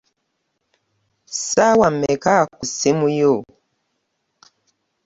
Saawa meka ku simu yo?